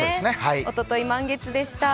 おととい、満月でした。